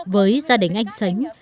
với gia đình anh sánh